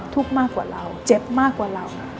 ทุกข์มากกว่าเราเจ็บมากกว่าเรา